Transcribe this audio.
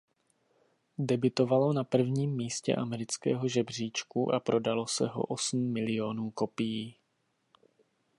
Debutovalo na prvním místě amerického žebříčku a prodalo se osm milionů kopií.